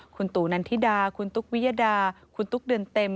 คุณตู่นันทิดาคุณตุ๊กวิยดาคุณตุ๊กเดือนเต็ม